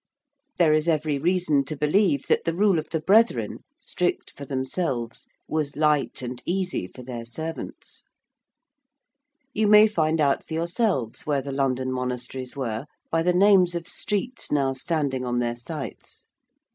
There is every reason to believe that the rule of the brethren, strict for themselves, was light and easy for their servants. You may find out for yourselves where the London monasteries were, by the names of streets now standing on their sites.